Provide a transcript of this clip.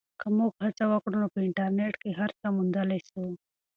که موږ هڅه وکړو نو په انټرنیټ کې هر څه موندلی سو.